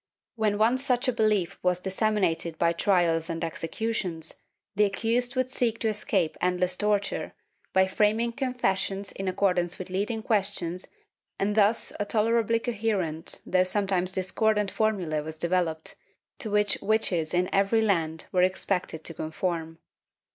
When once such a belief was disseminated by trials and executions, the accused would seek to escape endless torture by framing confessions in accordance with leading questions and thus a tolerably coherent, though some times discordant, formula was developed, to which witches in every land were expected to conform.